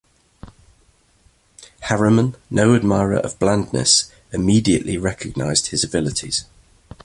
Harriman, no admirer of blandness, immediately recognized his abilities.